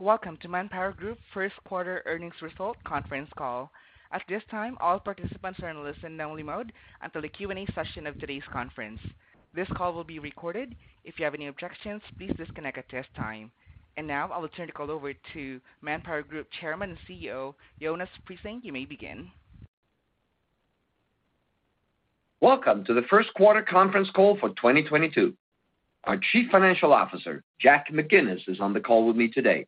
Welcome to ManpowerGroup First Quarter Earnings Results Conference Call. At this time, all participants are in listen-only mode until the Q&A session of today's conference. This call will be recorded. If you have any objections, please disconnect at this time. Now I will turn the call over to ManpowerGroup and CEO, Jonas Prising. You may begin. Welcome to the first quarter conference call for 2022. Our Chief Financial Officer, Jack McGinnis, is on the call with me today.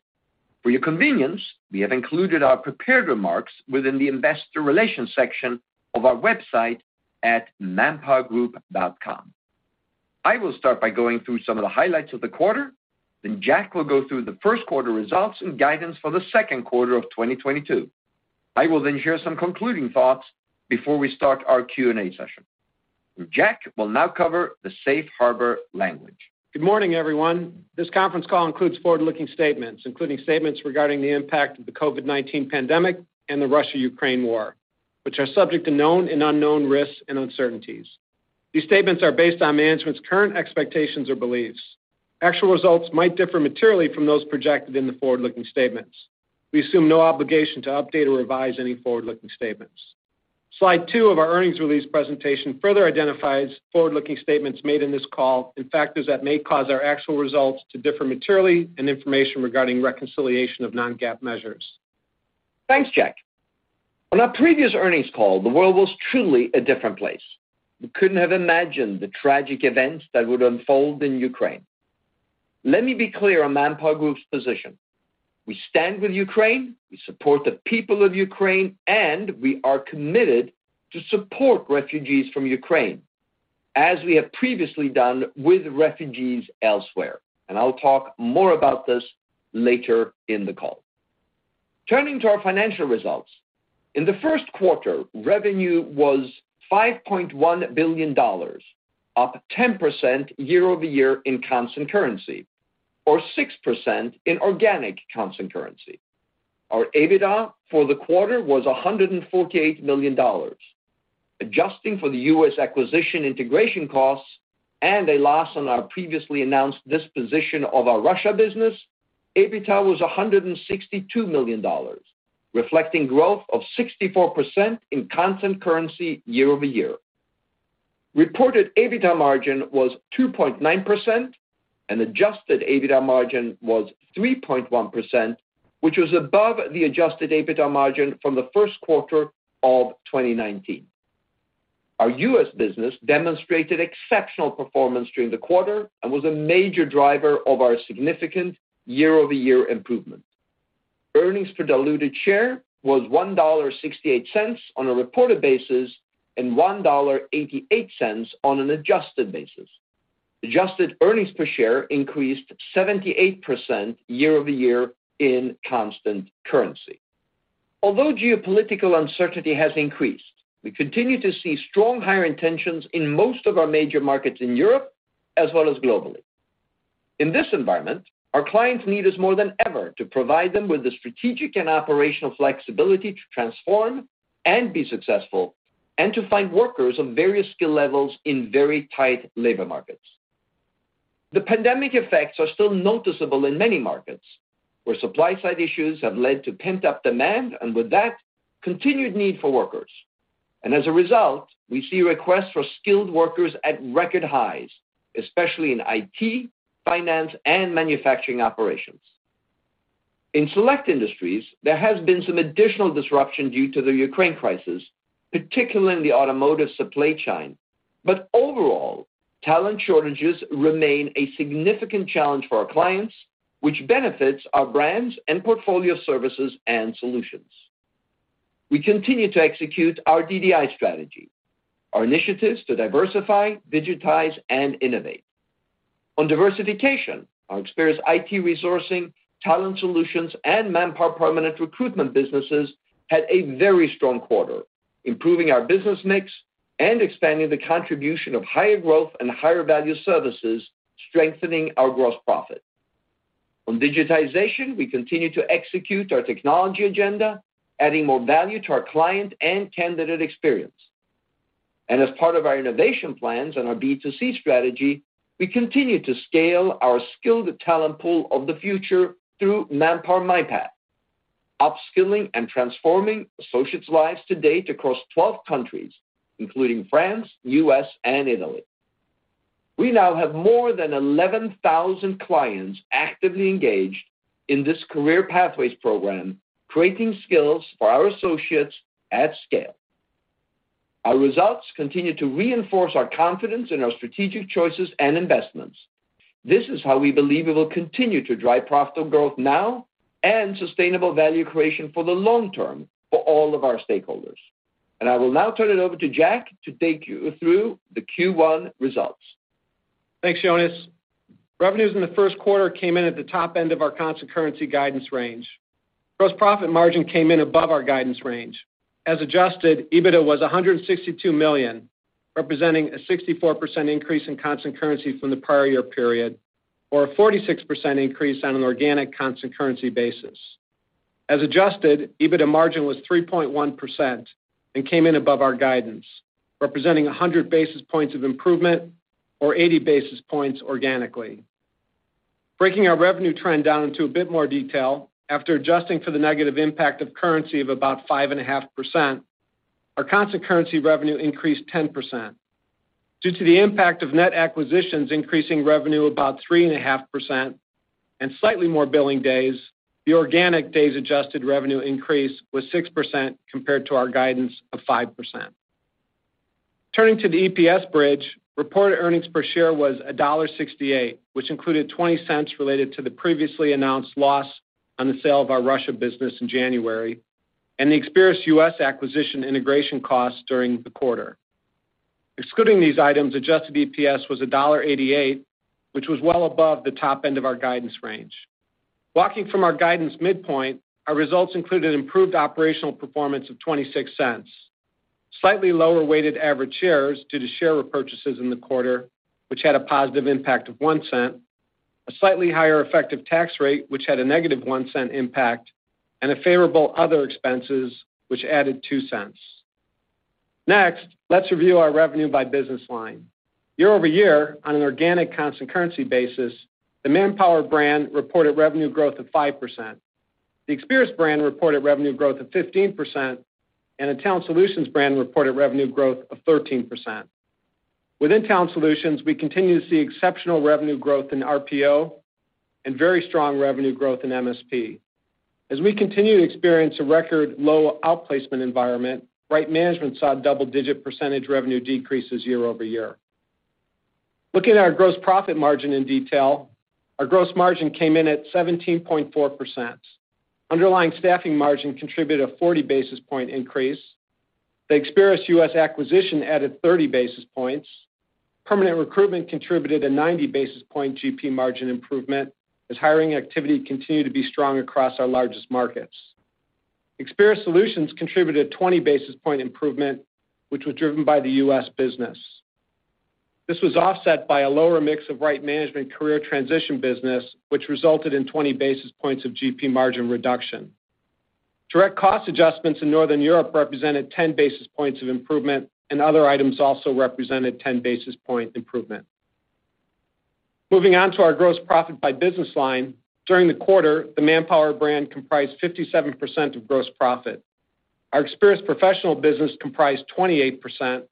For your convenience, we have included our prepared remarks within the investor relations section of our website at manpowergroup.com. I will start by going through some of the highlights of the quarter. Then Jack will go through the first quarter results and guidance for the second quarter of 2022. I will then share some concluding thoughts before we start our Q&A session. Jack will now cover the safe harbor language. Good morning, everyone. This conference call includes forward-looking statements, including statements regarding the impact of the COVID-19 pandemic and the Russia-Ukraine war, which are subject to known and unknown risks and uncertainties. These statements are based on management's current expectations or beliefs. Actual results might differ materially from those projected in the forward-looking statements. We assume no obligation to update or revise any forward-looking statements. Slide two of our earnings release presentation further identifies forward-looking statements made in this call and factors that may cause our actual results to differ materially and information regarding reconciliation of non-GAAP measures. Thanks, Jack. On our previous earnings call, the world was truly a different place. We couldn't have imagined the tragic events that would unfold in Ukraine. Let me be clear on ManpowerGroup's position. We stand with Ukraine, we support the people of Ukraine, and we are committed to support refugees from Ukraine, as we have previously done with refugees elsewhere. I'll talk more about this later in the call. Turning to our financial results. In the first quarter, revenue was $5.1 billion, up 10% year-over-year in constant currency or 6% in organic constant currency. Our EBITDA for the quarter was $148 million. Adjusting for the U.S. acquisition integration costs and a loss on our previously announced disposition of our Russia business, EBITDA was $162 million, reflecting growth of 64% in constant currency year-over-year. Reported EBITDA margin was 2.9%, and adjusted EBITDA margin was 3.1%, which was above the adjusted EBITDA margin from the first quarter of 2019. Our U.S. business demonstrated exceptional performance during the quarter and was a major driver of our significant year-over-year improvement. Earnings per diluted share was $1.68 on a reported basis and $1.88 on an adjusted basis. Adjusted earnings per share increased 78% year-over-year in constant currency. Although geopolitical uncertainty has increased, we continue to see strong hire intentions in most of our major markets in Europe as well as globally. In this environment, our clients need us more than ever to provide them with the strategic and operational flexibility to transform and be successful and to find workers of various skill levels in very tight labor markets. The pandemic effects are still noticeable in many markets, where supply side issues have led to pent-up demand, and with that, continued need for workers. As a result, we see requests for skilled workers at record highs, especially in IT, finance, and manufacturing operations. In select industries, there has been some additional disruption due to the Ukraine crisis, particularly in the automotive supply chain. Overall, talent shortages remain a significant challenge for our clients, which benefits our brands and portfolio services and solutions. We continue to execute our DDI strategy, our initiatives to diversify, digitize, and innovate. On diversification, our Experis IT resourcing, Talent Solutions, and Manpower permanent recruitment businesses had a very strong quarter, improving our business mix and expanding the contribution of higher growth and higher value services, strengthening our gross profit. On digitization, we continue to execute our technology agenda, adding more value to our client and candidate experience. As part of our innovation plans and our B2C strategy, we continue to scale our skilled talent pool of the future through Manpower MyPath, upskilling and transforming associates' lives to date across 12 countries, including France, U.S., and Italy. We now have more than 11,000 clients actively engaged in this career pathways program, creating skills for our associates at scale. Our results continue to reinforce our confidence in our strategic choices and investments. This is how we believe it will continue to drive profitable growth now and sustainable value creation for the long term for all of our stakeholders. I will now turn it over to Jack to take you through the Q1 results. Thanks, Jonas. Revenues in the first quarter came in at the top end of our constant currency guidance range. Gross profit margin came in above our guidance range. As adjusted, EBITDA was $162 million, representing a 64% increase in constant currency from the prior year period or a 46% increase on an organic constant currency basis. As adjusted, EBITDA margin was 3.1% and came in above our guidance, representing 100 basis points of improvement or 80 basis points organically. Breaking our revenue trend down into a bit more detail, after adjusting for the negative impact of currency of about 5.5%, our constant currency revenue increased 10%. Due to the impact of net acquisitions increasing revenue about 3.5% and slightly more billing days, the organic days adjusted revenue increase was 6% compared to our guidance of 5%. Turning to the EPS bridge, reported earnings per share was $1.68, which included $0.20 related to the previously announced loss on the sale of our Russia business in January and the Experis U.S. acquisition integration costs during the quarter. Excluding these items, adjusted EPS was $1.88, which was well above the top end of our guidance range. Walking from our guidance midpoint, our results included improved operational performance of $0.26, slightly lower weighted average shares due to share repurchases in the quarter, which had a positive impact of $0.01, a slightly higher effective tax rate, which had a negative $0.01 impact, and a favorable other expenses, which added $0.02. Next, let's review our revenue by business line. Year-over-year, on an organic constant currency basis, the Manpower brand reported revenue growth of 5%. The Experis brand reported revenue growth of 15%, and the Talent Solutions brand reported revenue growth of 13%. Within Talent Solutions, we continue to see exceptional revenue growth in RPO and very strong revenue growth in MSP. As we continue to experience a record low outplacement environment, Right Management saw double-digit % revenue decreases year-over-year. Looking at our gross profit margin in detail, our gross margin came in at 17.4%. Underlying staffing margin contributed a 40 basis point increase. The Experis U.S. acquisition added 30 basis points. Permanent recruitment contributed a 90 basis point GP margin improvement as hiring activity continued to be strong across our largest markets. Experis Solutions contributed 20 basis points improvement, which was driven by the U.S. business. This was offset by a lower mix of Right Management career transition business, which resulted in 20 basis points of GP margin reduction. Direct cost adjustments in Northern Europe represented 10 basis points of improvement, and other items also represented 10 basis points improvement. Moving on to our gross profit by business line. During the quarter, the Manpower brand comprised 57% of gross profit. Our Experis professional business comprised 28%,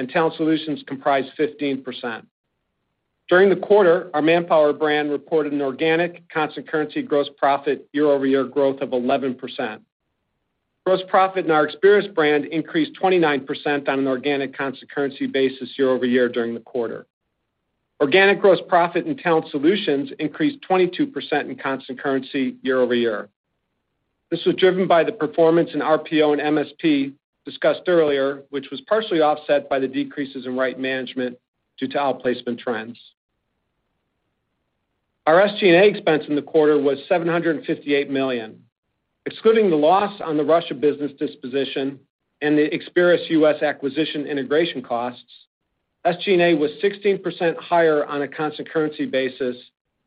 and Talent Solutions comprised 15%. During the quarter, our Manpower brand reported an organic constant currency gross profit year-over-year growth of 11%. Gross profit in our Experis brand increased 29% on an organic constant currency basis year-over-year during the quarter. Organic gross profit in Talent Solutions increased 22% in constant currency year-over-year. This was driven by the performance in RPO and MSP discussed earlier, which was partially offset by the decreases in Right Management due to outplacement trends. Our SG&A expense in the quarter was $758 million. Excluding the loss on the Russia business disposition and the Experis U.S. acquisition integration costs, SG&A was 16% higher on a constant currency basis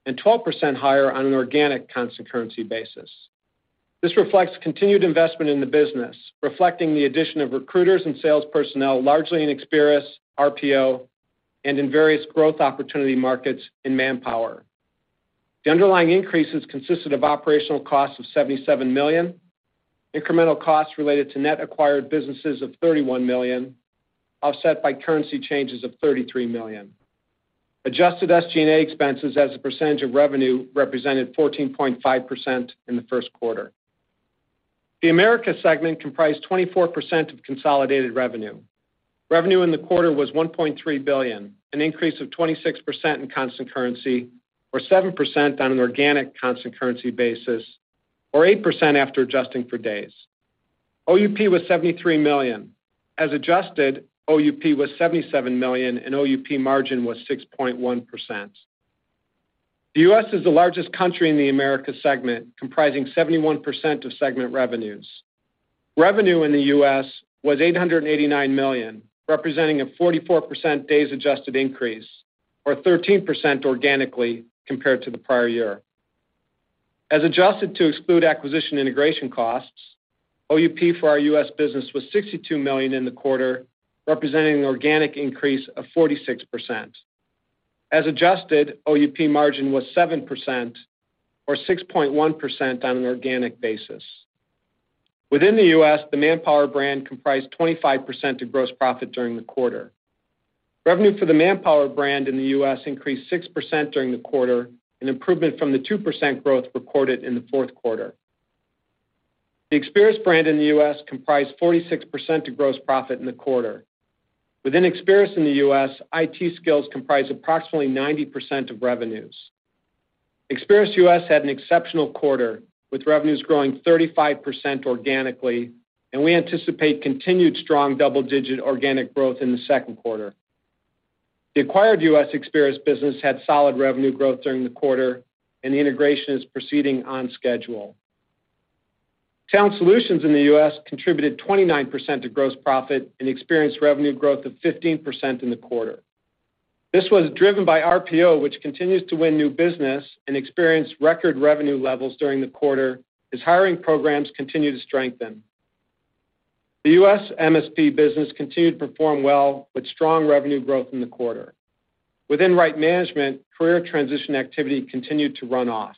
and 12% higher on an organic constant currency basis. This reflects continued investment in the business, reflecting the addition of recruiters and sales personnel largely in Experis, RPO, and in various growth opportunity markets in Manpower. The underlying increases consisted of operational costs of $77 million, incremental costs related to net acquired businesses of $31 million, offset by currency changes of $33 million. Adjusted SG&A expenses as a percentage of revenue represented 14.5% in the first quarter. The Americas segment comprised 24% of consolidated revenue. Revenue in the quarter was $1.3 billion, an increase of 26% in constant currency or 7% on an organic constant currency basis, or 8% after adjusting for days. OUP was $73 million. As adjusted, OUP was $77 million, and OUP margin was 6.1%. The U.S. is the largest country in the Americas segment, comprising 71% of segment revenues. Revenue in the U.S. was $889 million, representing a 44% days adjusted increase or 13% organically compared to the prior year. As adjusted to exclude acquisition integration costs, OUP for our U.S. business was $62 million in the quarter, representing an organic increase of 46%. As adjusted, OUP margin was 7% or 6.1% on an organic basis. Within the U.S., the Manpower brand comprised 25% of gross profit during the quarter. Revenue for the Manpower brand in the U.S. increased 6% during the quarter, an improvement from the 2% growth recorded in the fourth quarter. The Experis brand in the U.S. comprised 46% of gross profit in the quarter. Within Experis in the U.S., IT skills comprised approximately 90% of revenues. Experis U.S. had an exceptional quarter, with revenues growing 35% organically, and we anticipate continued strong double-digit organic growth in the second quarter. The acquired U.S. Experis business had solid revenue growth during the quarter and the integration is proceeding on schedule. Talent Solutions in the U.S. contributed 29% to gross profit and experienced revenue growth of 15% in the quarter. This was driven by RPO, which continues to win new business and experienced record revenue levels during the quarter as hiring programs continue to strengthen. The U.S. MSP business continued to perform well with strong revenue growth in the quarter. Within Right Management, career transition activity continued to run off.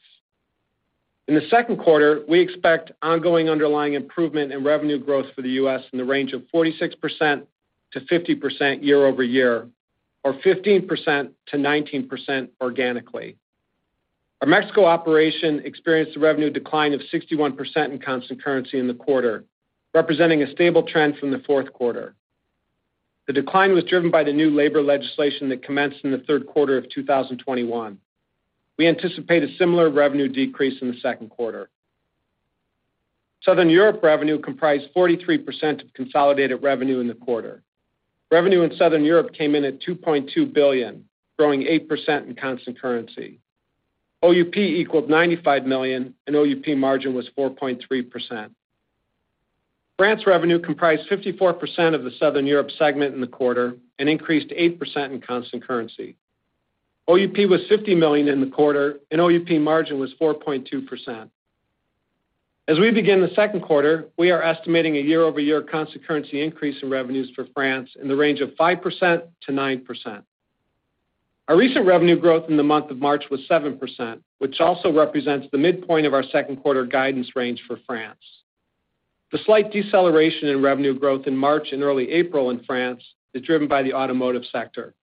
In the second quarter, we expect ongoing underlying improvement in revenue growth for the U.S. in the range of 46%-50% year-over-year or 15%-19% organically. Our Mexico operation experienced a revenue decline of 61% in constant currency in the quarter, representing a stable trend from the fourth quarter. The decline was driven by the new labor legislation that commenced in the third quarter of 2021. We anticipate a similar revenue decrease in the second quarter. Southern Europe revenue comprised 43% of consolidated revenue in the quarter. Revenue in Southern Europe came in at $2.2 billion, growing 8% in constant currency. OUP equaled $95 million, and OUP margin was 4.3%. France revenue comprised 54% of the Southern Europe segment in the quarter and increased 8% in constant currency. OUP was $50 million in the quarter, and OUP margin was 4.2%. As we begin the second quarter, we are estimating a year-over-year constant currency increase in revenues for France in the range of 5%-9%. Our recent revenue growth in the month of March was 7%, which also represents the midpoint of our second quarter guidance range for France. The slight deceleration in revenue growth in March and early April in France is driven by the automotive sector.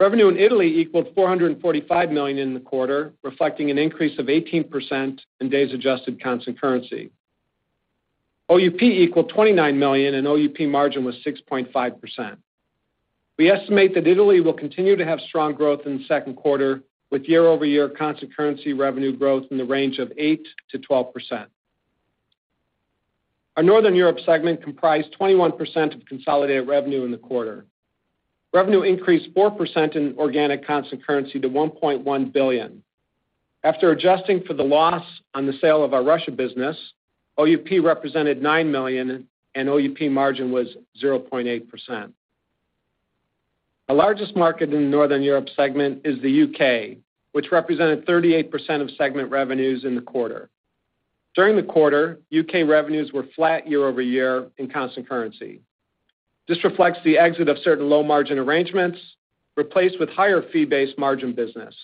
Revenue in Italy equaled $445 million in the quarter, reflecting an increase of 18% in days adjusted constant currency. OUP equaled $29 million, and OUP margin was 6.5%. We estimate that Italy will continue to have strong growth in the second quarter with year over year constant currency revenue growth in the range of 8%-12%. Our Northern Europe segment comprised 21% of consolidated revenue in the quarter. Revenue increased 4% in organic constant currency to $1.1 billion. After adjusting for the loss on the sale of our Russia business, OUP represented $9 million and OUP margin was 0.8%. Our largest market in the Northern Europe segment is the U.K., which represented 38% of segment revenues in the quarter. During the quarter, U.K. revenues were flat year-over-year in constant currency. This reflects the exit of certain low margin arrangements replaced with higher fee-based margin business.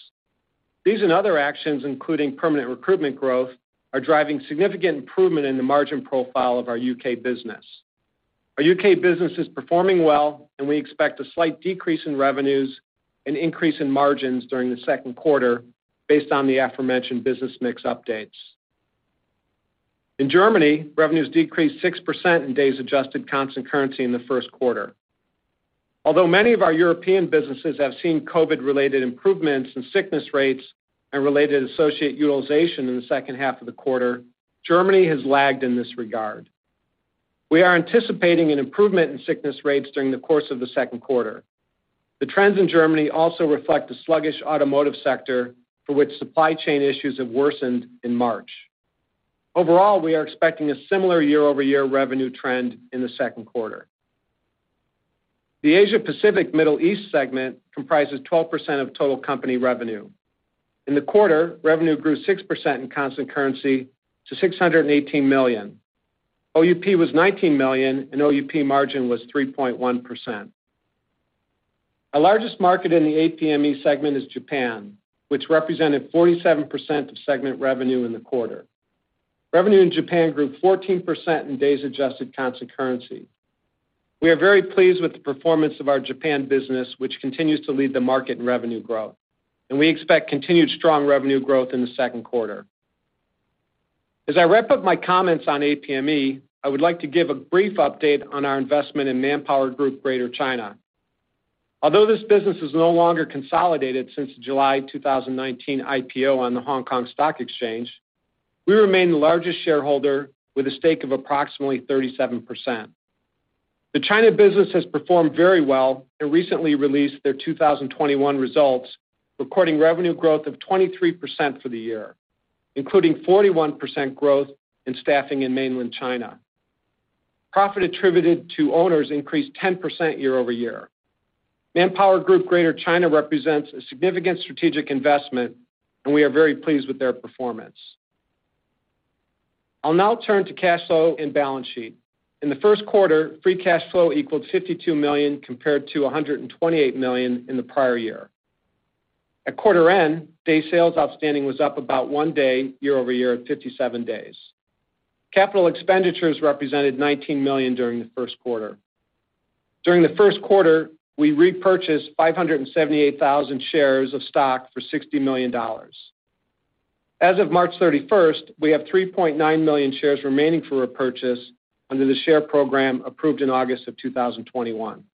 These and other actions, including permanent recruitment growth, are driving significant improvement in the margin profile of our U.K. business. Our U.K. business is performing well, and we expect a slight decrease in revenues and increase in margins during the second quarter based on the aforementioned business mix updates. In Germany, revenues decreased 6% in days adjusted constant currency in the first quarter. Although many of our European businesses have seen COVID-related improvements in sickness rates and related associate utilization in the second half of the quarter, Germany has lagged in this regard. We are anticipating an improvement in sickness rates during the course of the second quarter. The trends in Germany also reflect the sluggish automotive sector for which supply chain issues have worsened in March. Overall, we are expecting a similar year-over-year revenue trend in the second quarter. The Asia Pacific Middle East segment comprises 12% of total company revenue. In the quarter, revenue grew 6% in constant currency to $618 million. OUP was $19 million, and OUP margin was 3.1%. Our largest market in the APME segment is Japan, which represented 47% of segment revenue in the quarter. Revenue in Japan grew 14% in days adjusted constant currency. We are very pleased with the performance of our Japan business, which continues to lead the market in revenue growth, and we expect continued strong revenue growth in the second quarter. As I wrap up my comments on APME, I would like to give a brief update on our investment in ManpowerGroup Greater China. Although this business is no longer consolidated since the July 2019 IPO on the Hong Kong Stock Exchange, we remain the largest shareholder with a stake of approximately 37%. The China business has performed very well and recently released their 2021 results, recording revenue growth of 23% for the year, including 41% growth in staffing in mainland China. Profit attributed to owners increased 10% year-over-year. ManpowerGroup Greater China represents a significant strategic investment, and we are very pleased with their performance. I'll now turn to cash flow and balance sheet. In the first quarter, free cash flow equaled $52 million compared to $128 million in the prior year. At quarter end, day sales outstanding was up about 1 day year over year at 57 days. Capital expenditures represented $19 million during the first quarter. During the first quarter, we repurchased 578,000 shares of stock for $60 million. As of March 31, we have 3.9 million shares remaining for repurchase under the share program approved in August 2021.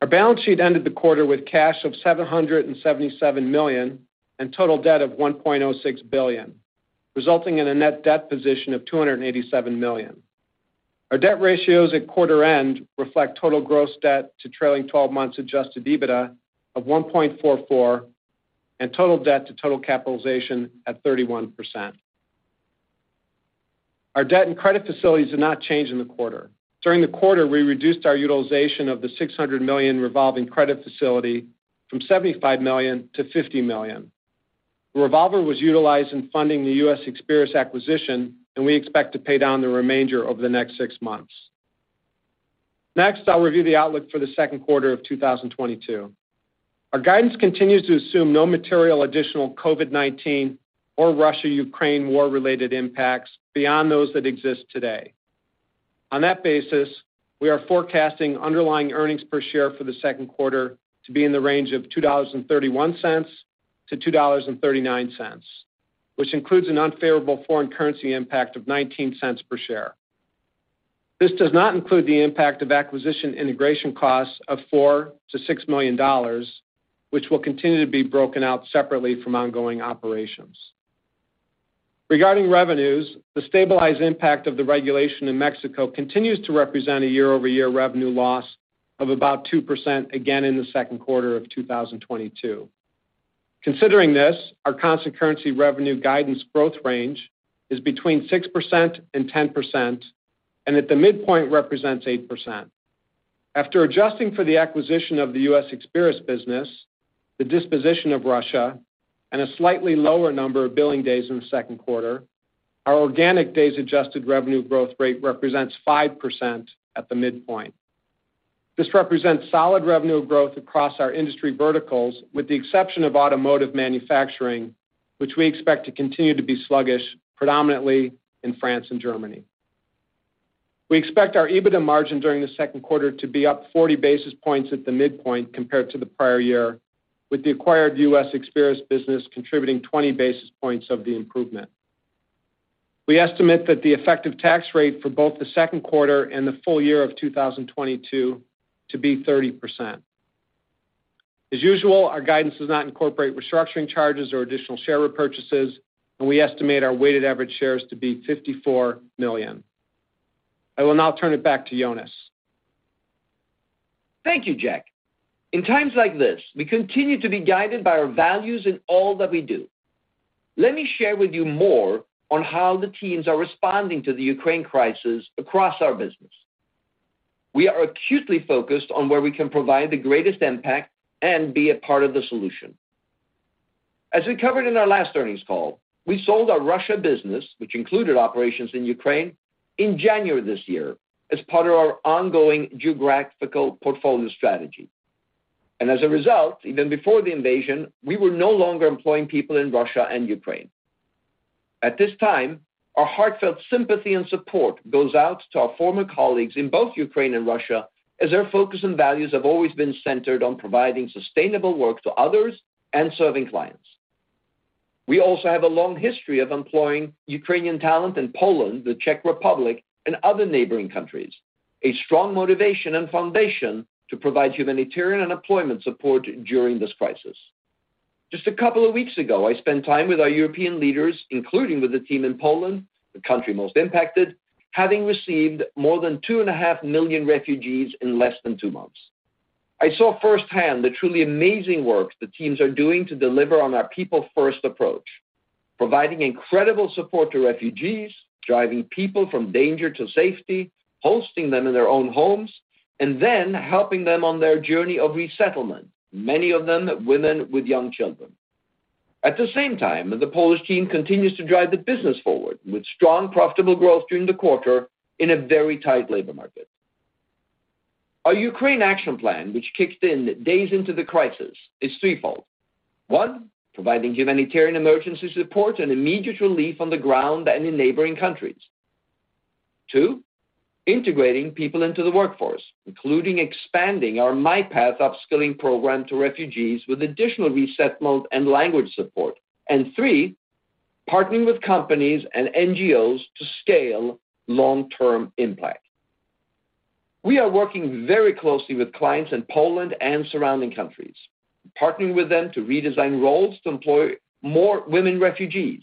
Our balance sheet ended the quarter with cash of $777 million and total debt of $1.06 billion, resulting in a net debt position of $287 million. Our debt ratios at quarter end reflect total gross debt to trailing twelve months adjusted EBITDA of 1.44 and total debt to total capitalization at 31%. Our debt and credit facilities did not change in the quarter. During the quarter, we reduced our utilization of the $600 million revolving credit facility from $75 million to $50 million. The revolver was utilized in funding the U.S. Experis acquisition, and we expect to pay down the remainder over the next six months. Next, I'll review the outlook for the second quarter of 2022. Our guidance continues to assume no material additional COVID-19 or Russia/Ukraine war-related impacts beyond those that exist today. On that basis, we are forecasting underlying earnings per share for the second quarter to be in the range of $2.31-$2.39, which includes an unfavorable foreign currency impact of $0.19 per share. This does not include the impact of acquisition integration costs of $4 million-$6 million, which will continue to be broken out separately from ongoing operations. Regarding revenues, the stabilized impact of the regulation in Mexico continues to represent a year-over-year revenue loss of about 2% again in the second quarter of 2022. Considering this, our constant currency revenue guidance growth range is between 6% and 10%, and at the midpoint represents 8%. After adjusting for the acquisition of the U.S. Experis business, the disposition of Russia, and a slightly lower number of billing days in the second quarter, our organic days adjusted revenue growth rate represents 5% at the midpoint. This represents solid revenue growth across our industry verticals, with the exception of automotive manufacturing, which we expect to continue to be sluggish, predominantly in France and Germany. We expect our EBITDA margin during the second quarter to be up 40 basis points at the midpoint compared to the prior year, with the acquired U.S. Experis business contributing 20 basis points of the improvement. We estimate that the effective tax rate for both the second quarter and the full year of 2022 to be 30%. As usual, our guidance does not incorporate restructuring charges or additional share repurchases, and we estimate our weighted average shares to be 54 million. I will now turn it back to Jonas. Thank you, Jack. In times like this, we continue to be guided by our values in all that we do. Let me share with you more on how the teams are responding to the Ukraine crisis across our business. We are acutely focused on where we can provide the greatest impact and be a part of the solution. As we covered in our last earnings call, we sold our Russia business, which included operations in Ukraine, in January this year as part of our ongoing geographical portfolio strategy. As a result, even before the invasion, we were no longer employing people in Russia and Ukraine. At this time, our heartfelt sympathy and support goes out to our former colleagues in both Ukraine and Russia, as their focus and values have always been centered on providing sustainable work to others and serving clients. We also have a long history of employing Ukrainian talent in Poland, the Czech Republic and other neighboring countries, a strong motivation and foundation to provide humanitarian and employment support during this crisis. Just a couple of weeks ago, I spent time with our European leaders, including with the team in Poland, the country most impacted, having received more than 2.5 million refugees in less than two months. I saw firsthand the truly amazing work the teams are doing to deliver on our people first approach, providing incredible support to refugees, driving people from danger to safety, hosting them in their own homes, and then helping them on their journey of resettlement, many of them women with young children. At the same time, the Polish team continues to drive the business forward with strong, profitable growth during the quarter in a very tight labor market. Our Ukraine action plan, which kicks in days into the crisis, is threefold. One, providing humanitarian emergency support and immediate relief on the ground and in neighboring countries. Two, integrating people into the workforce, including expanding our MyPath upskilling program to refugees with additional resettlement and language support. Three, partnering with companies and NGOs to scale long-term impact. We are working very closely with clients in Poland and surrounding countries, partnering with them to redesign roles to employ more women refugees.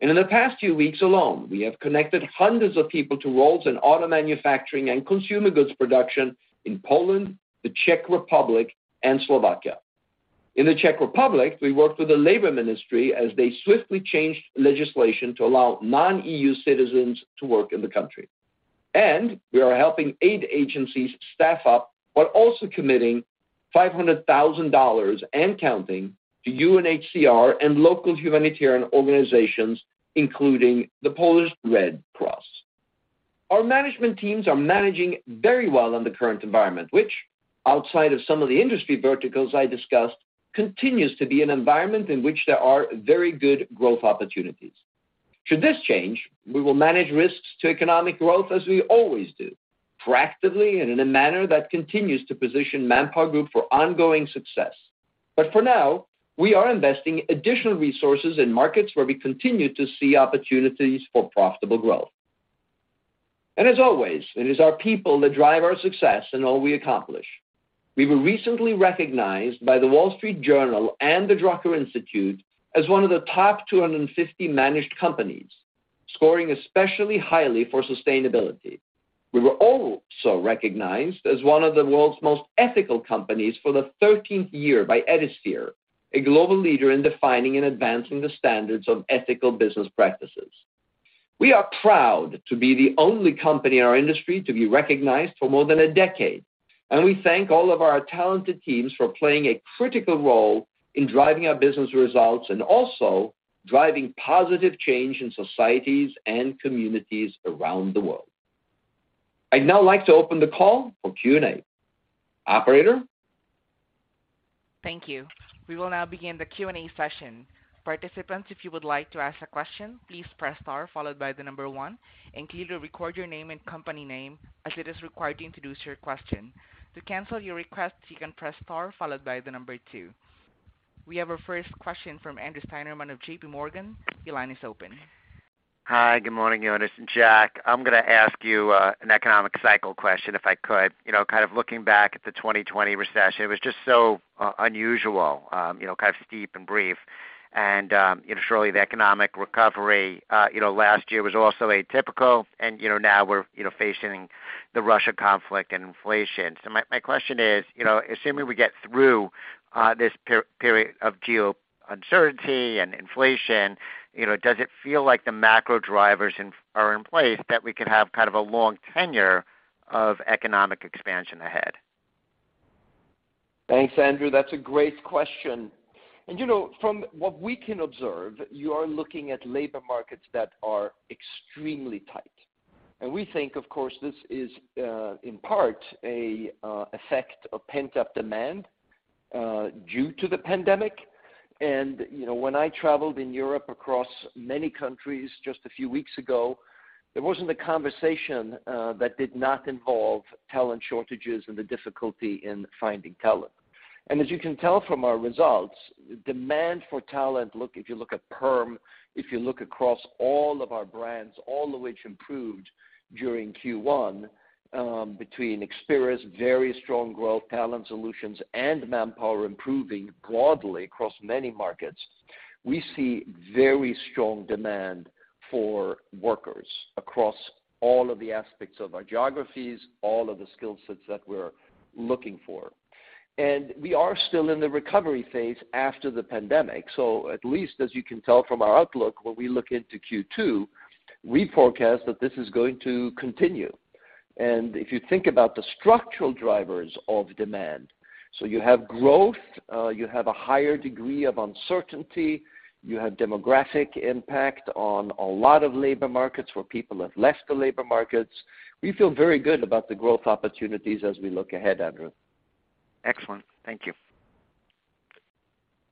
In the past few weeks alone, we have connected hundreds of people to roles in auto manufacturing and consumer goods production in Poland, the Czech Republic, and Slovakia. In the Czech Republic, we worked with the Labor Ministry as they swiftly changed legislation to allow non-EU citizens to work in the country. We are helping aid agencies staff up, but also committing $500,000 and counting to UNHCR and local humanitarian organizations, including the Polish Red Cross. Our management teams are managing very well in the current environment, which outside of some of the industry verticals I discussed, continues to be an environment in which there are very good growth opportunities. Should this change, we will manage risks to economic growth as we always do, proactively and in a manner that continues to position ManpowerGroup for ongoing success. For now, we are investing additional resources in markets where we continue to see opportunities for profitable growth. As always, it is our people that drive our success and all we accomplish. We were recently recognized by The Wall Street Journal and the Drucker Institute as one of the top 250 managed companies, scoring especially highly for sustainability. We were also recognized as one of the world's most ethical companies for the 13 year by Ethisphere, a global leader in defining and advancing the standards of ethical business practices. We are proud to be the only company in our industry to be recognized for more than a decade, and we thank all of our talented teams for playing a critical role in driving our business results and also driving positive change in societies and communities around the world. I'd now like to open the call for Q&A. Operator? Thank you. We will now begin the Q&A session. Participants, if you would like to ask a question, please press star followed by the number one, and clearly record your name and company name as it is required to introduce your question. To cancel your request, you can press star followed by the number two. We have our first question from Andrew Steinerman of J.P. Morgan. Your line is open. Hi. Good morning, Jonas and Jack. I'm going to ask you an economic cycle question if I could. You know, kind of looking back at the 2020 recession, it was just so unusual, you know, kind of steep and brief. Surely the economic recovery, you know, last year was also atypical and, you know, now we're facing the Russia conflict and inflation. My question is, you know, assuming we get through this period of geo-uncertainty and inflation, you know, does it feel like the macro drivers are in place that we could have kind of a long tenure of economic expansion ahead? Thanks, Andrew. That's a great question. You know, from what we can observe, you are looking at labor markets that are extremely tight. We think, of course, this is in part an effect of pent-up demand due to the pandemic. You know, when I traveled in Europe across many countries just a few weeks ago, there wasn't a conversation that did not involve talent shortages and the difficulty in finding talent. As you can tell from our results, demand for talent. Look, if you look at perm, if you look across all of our brands, all of which improved during Q1, between Experis, very strong growth, Talent Solutions and Manpower improving broadly across many markets. We see very strong demand for workers across all of the aspects of our geographies, all of the skill sets that we're looking for. We are still in the recovery phase after the pandemic. At least as you can tell from our outlook, when we look into Q2, we forecast that this is going to continue. If you think about the structural drivers of demand, so you have growth, you have a higher degree of uncertainty, you have demographic impact on a lot of labor markets where people have left the labor markets. We feel very good about the growth opportunities as we look ahead, Andrew. Excellent. Thank you.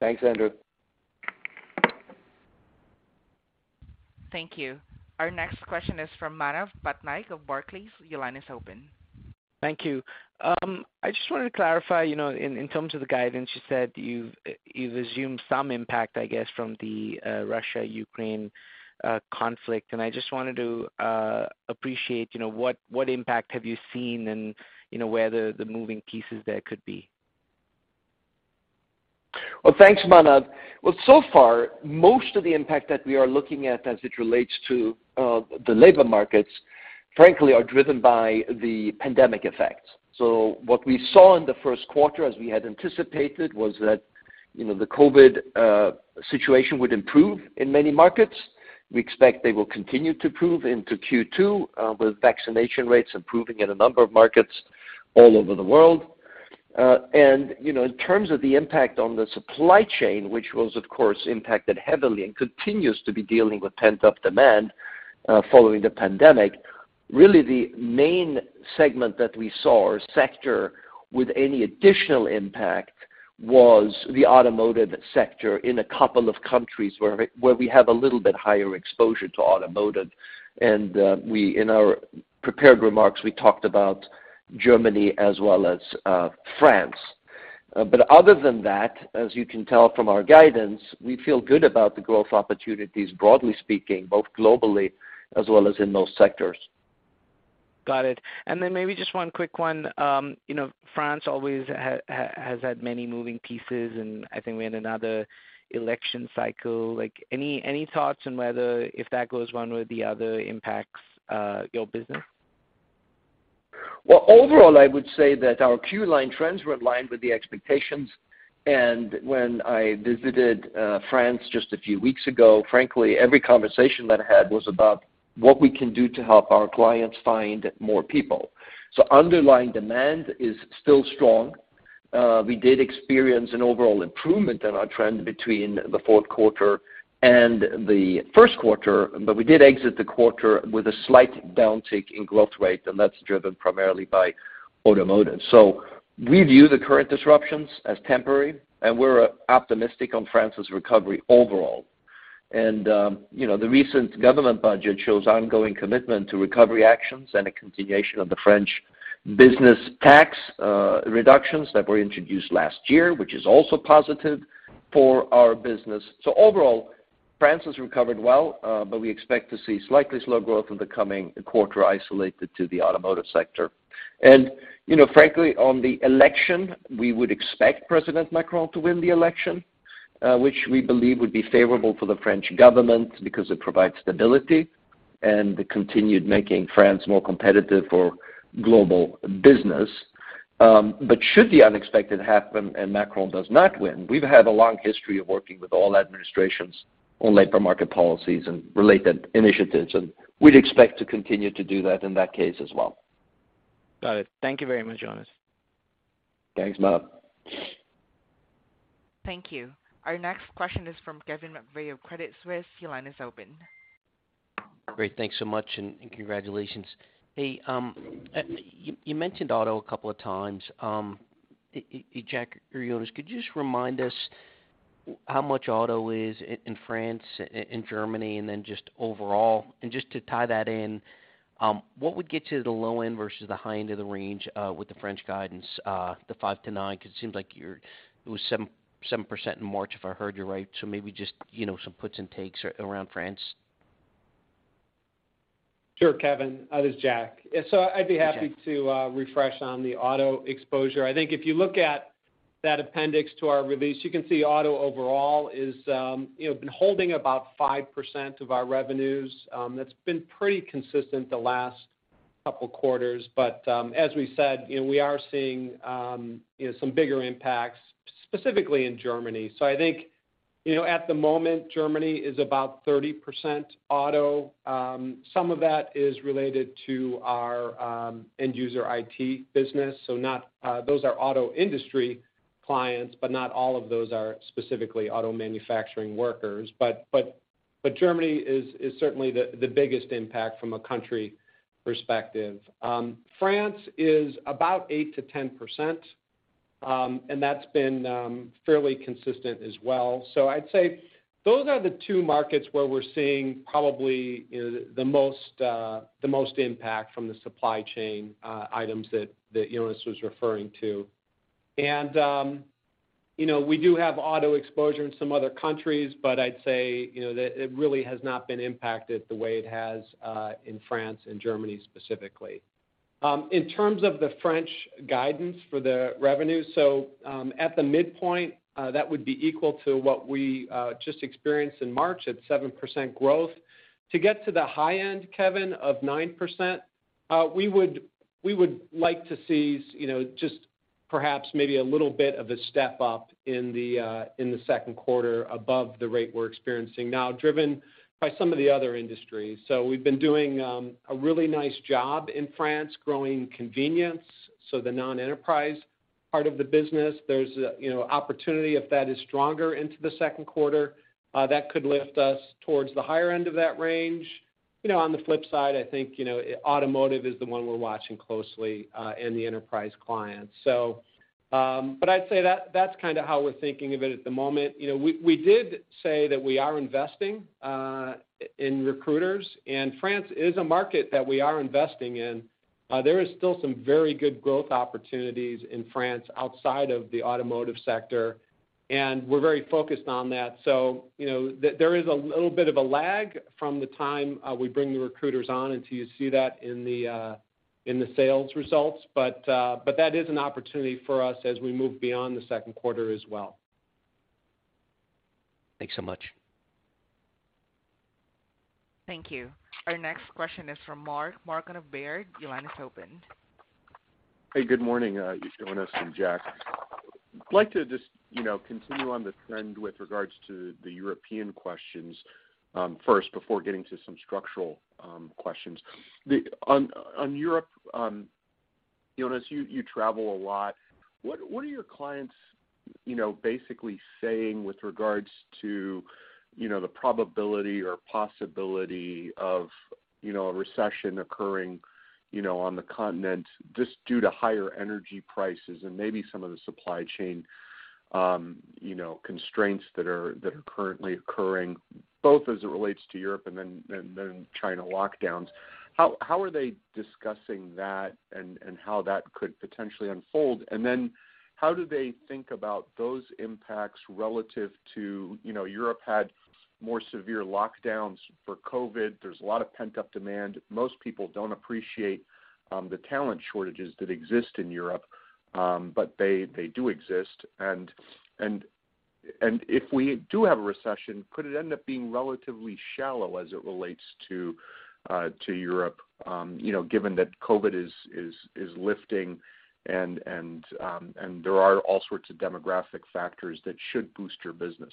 Thanks, Andrew. Thank you. Our next question is from Manav Patnaik of Barclays. Your line is open. Thank you. I just wanted to clarify, in terms of the guidance, you said you've assumed some impact, I guess, from the Russia-Ukraine conflict. I just wanted to elaborate, you know, what impact have you seen and, where the moving pieces there could be. Well, thanks, Manav. Well, so far, most of the impact that we are looking at as it relates to the labor markets, frankly, are driven by the pandemic effects. What we saw in the first quarter, as we had anticipated, was that, you know, the COVID situation would improve in many markets. We expect they will continue to improve into Q2 with vaccination rates improving in a number of markets all over the world. You know, in terms of the impact on the supply chain, which was of course impacted heavily and continues to be dealing with pent-up demand following the pandemic. Really the main segment that we saw or sector with any additional impact was the automotive sector in a couple of countries where we have a little bit higher exposure to automotive. We in our prepared remarks, we talked about Germany as well as France. Other than that, as you can tell from our guidance, we feel good about the growth opportunities, broadly speaking, both globally as well as in those sectors. Got it. Maybe just one quick one. You know, France always has had many moving pieces, and I think we had another election cycle, any thoughts on whether if that goes one way or the other impacts your business? Well, overall, I would say that our Q line trends were in line with the expectations. When I visited France just a few weeks ago, frankly, every conversation that I had was about what we can do to help our clients find more people. Underlying demand is still strong. We did experience an overall improvement in our trend between the fourth quarter and the first quarter, but we did exit the quarter with a slight downtick in growth rate, and that's driven primarily by automotive. We view the current disruptions as temporary, and we're optimistic on France's recovery overall. The recent government budget shows ongoing commitment to recovery actions and a continuation of the French business tax reductions that were introduced last year, which is also positive for our business. Overall, France has recovered well, but we expect to see slightly slower growth in the coming quarter isolated to the automotive sector. Frankly, on the election, we would expect President Macron to win the election, which we believe would be favorable for the French government because it provides stability and continued making France more competitive for global business. But should the unexpected happen and Macron does not win, we've had a long history of working with all administrations on labor market policies and related initiatives, and we'd expect to continue to do that in that case as well. Got it. Thank you very much, Jonas. Thanks, Manav. Thank you. Our next question is from Kevin McVeigh of Credit Suisse. Your line is open. Great. Thanks so much, and congratulations. Hey, you mentioned auto a couple of times. Jack or Jonas, could you just remind us how much auto is in France and Germany and then just overall? Just to tie that in, what would get to the low end versus the high end of the range, with the French guidance, the 5%-9%, because it seems like it was 7% in March if I heard you right. Maybe just, you know, some puts and takes around France. Sure, Kevin. This is Jack. Jack. I'd be happy to refresh on the auto exposure. I think if you look at that appendix to our release, you can see auto overall is, you know, been holding about 5% of our revenues. That's been pretty consistent the last couple quarters. As we said, we are seeing, you know, some bigger impacts specifically in Germany. I think, you know, at the moment, Germany is about 30% auto. Some of that is related to our end user IT business. Those are auto industry clients, but not all of those are specifically auto manufacturing workers. But Germany is certainly the biggest impact from a country perspective. France is about 8%-10%, and that's been fairly consistent as well. I'd say those are the two markets where we're seeing probably the most impact from the supply chain items that Jonas was referring to. You know, we do have auto exposure in some other countries, but I'd say, you know, that it really has not been impacted the way it has in France and Germany specifically. In terms of the French guidance for the revenue, at the midpoint, that would be equal to what we just experienced in March at 7% growth. To get to the high end, Kevin, of 9%, we would like to see just perhaps maybe a little bit of a step up in the second quarter above the rate we're experiencing now, driven by some of the other industries. We've been doing a really nice job in France growing convenience, so the non-enterprise part of the business. There's an, you know, opportunity if that is stronger into the second quarter that could lift us towards the higher end of that range. You know, on the flip side, I think, you know, automotive is the one we're watching closely and the enterprise clients. But I'd say that that's kind of how we're thinking of it at the moment. You know, we did say that we are investing in recruiters, and France is a market that we are investing in. There is still some very good growth opportunities in France outside of the automotive sector, and we're very focused on that. You know, there is a little bit of a lag from the time we bring the recruiters on until you see that in the sales results. But that is an opportunity for us as we move beyond the second quarter as well. Thanks so much. Thank you. Our next question is from Mark. Mark from Baird, your line is open. Hey, good morning, Jonas and Jack. I'd like to continue on the trend with regards to the European questions, first, before getting to some structural questions. On Europe, Jonas, you travel a lot. What are your clients, you know, basically saying with regards to the probability or possibility of, you know, a recession occurring, you know, on the continent just due to higher energy prices and maybe some of the supply chain, you know, constraints that are currently occurring, both as it relates to Europe and then China lockdowns? How are they discussing that and how that could potentially unfold? And then how do they think about those impacts relative to, you know, Europe had more severe lockdowns for COVID. There's a lot of pent-up demand. Most people don't appreciate the talent shortages that exist in Europe, but they do exist. If we do have a recession, could it end up being relatively shallow as it relates to Europe, you know, given that COVID is lifting and there are all sorts of demographic factors that should boost your business?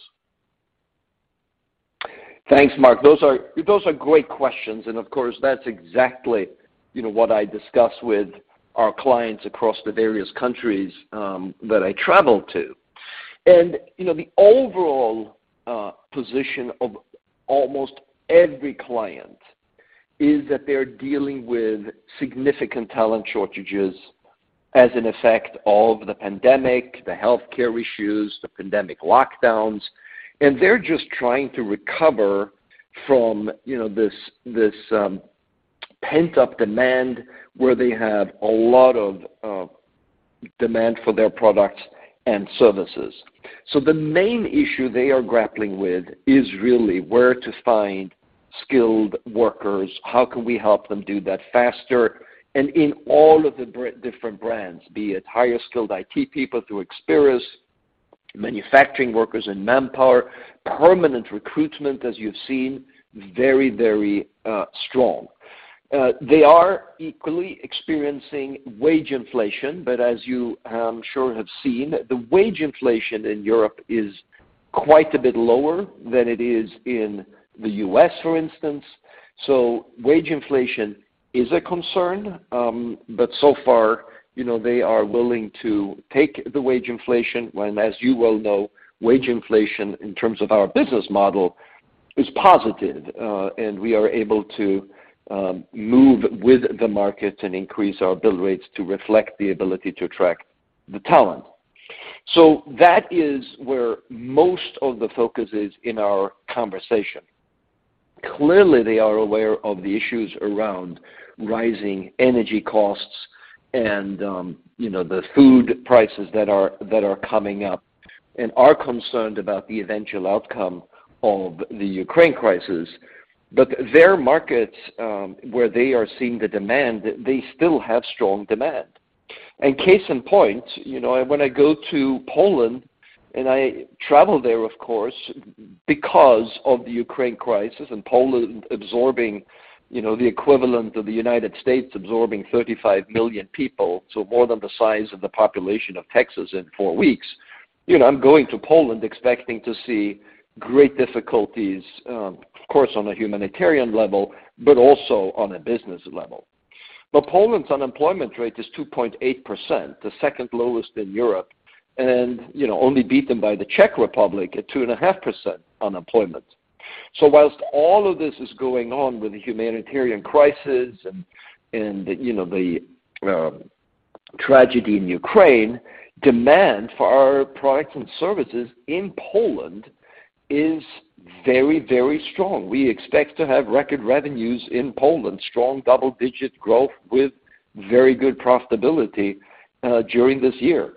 Thanks, Mark. Those are great questions. Of course, that's exactly, you know, what I discuss with our clients across the various countries that I travel to. You know, the overall position of almost every client is that they're dealing with significant talent shortages as an effect of the pandemic, the healthcare issues, the pandemic lockdowns. They're just trying to recover from, you know, this pent-up demand where they have a lot of demand for their products and services. The main issue they are grappling with is really where to find skilled workers, how can we help them do that faster? In all of the different brands, be it higher skilled IT people through Experis, manufacturing workers in Manpower, permanent recruitment, as you've seen, very strong. They are equally experiencing wage inflation, but as you sure have seen, the wage inflation in Europe is quite a bit lower than it is in the U.S., for instance. Wage inflation is a concern, but so far, you know, they are willing to take the wage inflation when, as you well know, wage inflation in terms of our business model is positive. We are able to move with the markets and increase our bill rates to reflect the ability to attract the talent. That is where most of the focus is in our conversation. Clearly, they are aware of the issues around rising energy costs and, you know, the food prices that are coming up and are concerned about the eventual outcome of the Ukraine crisis. Their markets, where they are seeing the demand, they still have strong demand. Case in point, you know, when I go to Poland and I travel there, of course, because of the Ukraine crisis and Poland absorbing, you know, the equivalent of the United States absorbing 35 million people, so more than the size of the population of Texas in four weeks. You know, I'm going to Poland expecting to see great difficulties, of course, on a humanitarian level, but also on a business level. Poland's unemployment rate is 2.8%, the second lowest in Europe, and, you know, only beaten by the Czech Republic at 2.5% unemployment. While all of this is going on with the humanitarian crisis and, you know, the tragedy in Ukraine, demand for our products and services in Poland is very strong. We expect to have record revenues in Poland, strong double-digit growth with very good profitability during this year.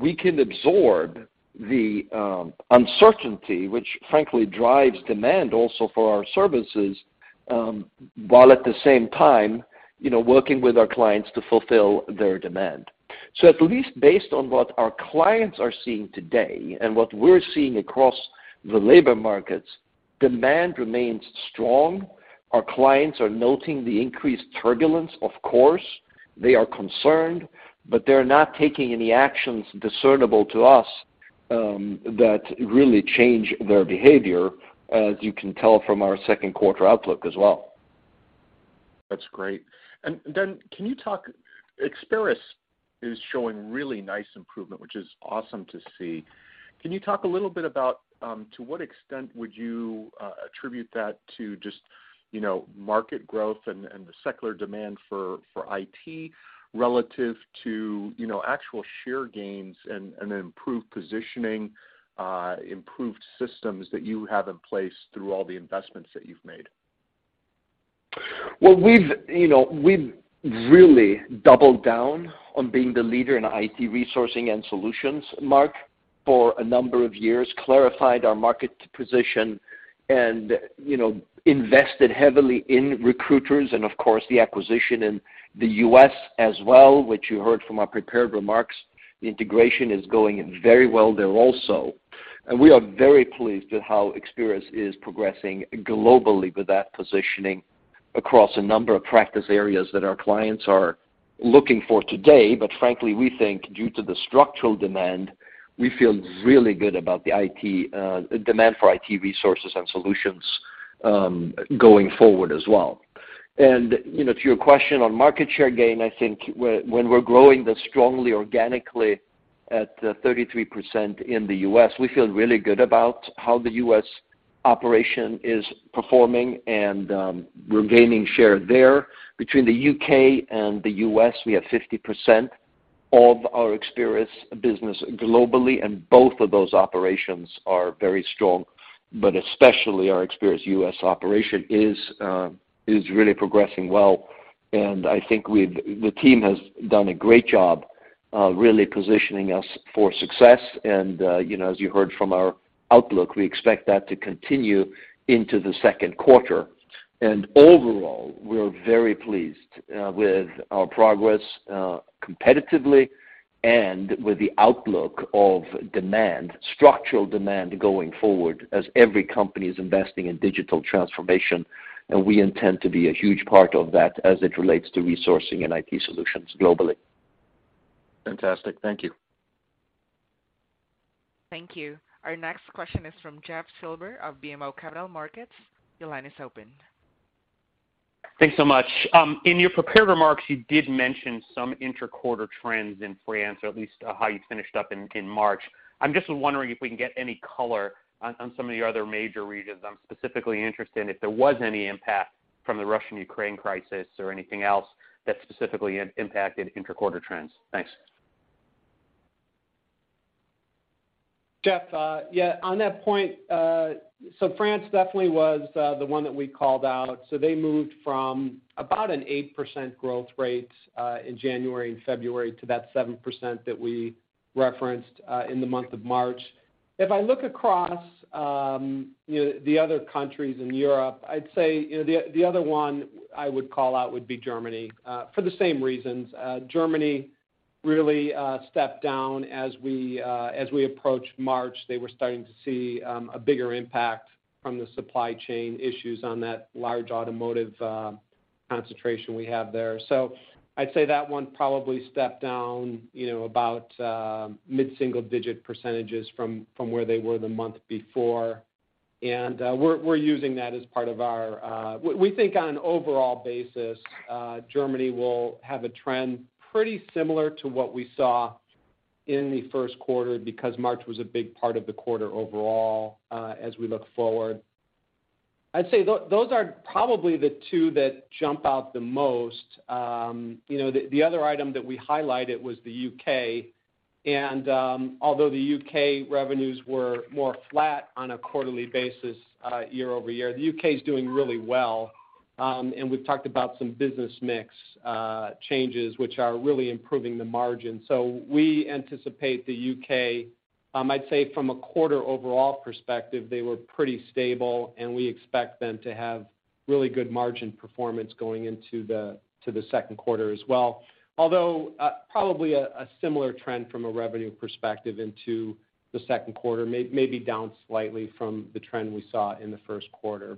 We can absorb the uncertainty which frankly drives demand also for our services, while at the same time, you know, working with our clients to fulfill their demand. At least based on what our clients are seeing today and what we're seeing across the labor markets, demand remains strong. Our clients are noting the increased turbulence, of course. They are concerned, but they're not taking any actions discernible to us that really change their behavior, as you can tell from our second quarter outlook as well. That's great. Can you talk, Experis is showing really nice improvement, which is awesome to see. Can you talk a little bit about to what extent would you attribute that to just, you know, market growth and the secular demand for IT relative to, you know, actual share gains and improved positioning, improved systems that you have in place through all the investments that you've made? Well, we've, you know, we've really doubled down on being the leader in IT resourcing and solutions, Mark, for a number of years, clarified our market position and, you know, invested heavily in recruiters and of course, the acquisition in the U.S. as well, which you heard from our prepared remarks. The integration is going very well there also. We are very pleased at how Experis is progressing globally with that positioning across a number of practice areas that our clients are looking for today. Frankly, we think due to the structural demand, we feel really good about the IT, demand for IT resources and solutions, going forward as well. You know, to your question on market share gain, I think when we're growing this strongly organically at 33% in the U.S., we feel really good about how the U.S. operation is performing and we're gaining share there. Between the U.K. and the U.S., we have 50% of our Experis business globally, and both of those operations are very strong. Especially our Experis U.S. operation is really progressing well. I think the team has done a great job really positioning us for success. You know, as you heard from our outlook, we expect that to continue into the second quarter. Overall, we're very pleased with our progress competitively and with the outlook of structural demand going forward as every company is investing in digital transformation, and we intend to be a huge part of that as it relates to resourcing and IT solutions globally. Fantastic. Thank you. Thank you. Our next question is from Jeff Silber of BMO Capital Markets. Your line is open. Thanks so much. In your prepared remarks, you did mention some inter-quarter trends in France, or at least how you finished up in March. I'm just wondering if we can get any color on some of the other major regions. I'm specifically interested in if there was any impact from the Russian-Ukraine crisis or anything else that specifically impacted inter-quarter trends. Thanks. Jeff, yeah, on that point, France definitely was the one that we called out. They moved from about an 8% growth rate in January and February to that 7% that we referenced in the month of March. If I look across, you know, the other countries in Europe, I'd say, you know, the other one I would call out would be Germany for the same reasons. Germany really stepped down as we approached March. They were starting to see a bigger impact from the supply chain issues on that large automotive concentration we have there. I'd say that one probably stepped down, you know, about mid-single digit percentages from where they were the month before. We're using that as part of our. We think on an overall basis, Germany will have a trend pretty similar to what we saw in the first quarter because March was a big part of the quarter overall, as we look forward. I'd say those are probably the two that jump out the most. You know, the other item that we highlighted was the U.K. Although the U.K. revenues were more flat on a quarterly basis, year over year, the U.K. is doing really well. We've talked about some business mix changes, which are really improving the margin. We anticipate the U.K. I'd say from a quarter overall perspective, they were pretty stable, and we expect them to have really good margin performance going into the second quarter as well. Although probably a similar trend from a revenue perspective into the second quarter, maybe down slightly from the trend we saw in the first quarter.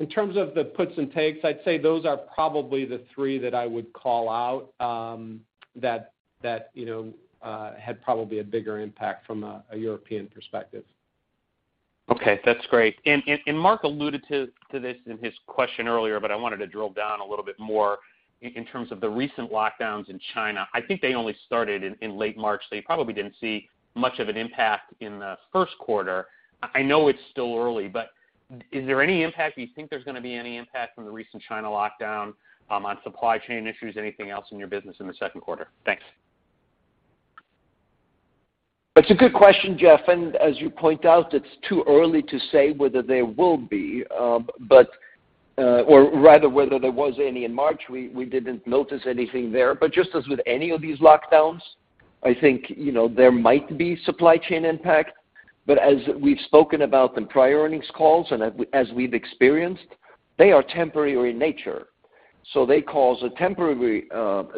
In terms of the puts and takes, I'd say those are probably the three that I would call out, you know, that had probably a bigger impact from a European perspective. Okay, that's great. Mark alluded to this in his question earlier, but I wanted to drill down a little bit more in terms of the recent lockdowns in China. I think they only started in late March, so you probably didn't see much of an impact in the first quarter. I know it's still early, but is there any impact? Do you think there's gonna be any impact from the recent China lockdown on supply chain issues, anything else in your business in the second quarter? Thanks. It's a good question, Jeff. As you point out, it's too early to say whether there was any in March. We didn't notice anything there. Just as with any of these lockdowns, I think you know there might be supply chain impact. As we've spoken about in prior earnings calls and as we've experienced, they are temporary in nature. They cause a temporary